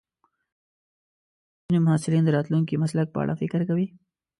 ځینې محصلین د راتلونکي مسلک په اړه فکر کوي.